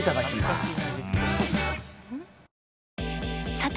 さて！